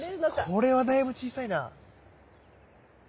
これはだいぶ小さいな。